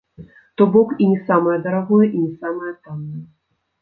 То бок і не самае дарагое, і не самае таннае.